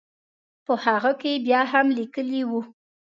په هغه کې بیا هم لیکلي وو.